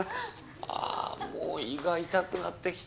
あもう胃が痛くなってきた。